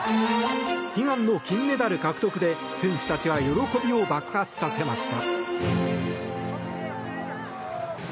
悲願の金メダル獲得で選手たちは喜びを爆発させました。